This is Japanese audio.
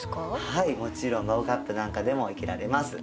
はいもちろんマグカップなんかでも生けられます。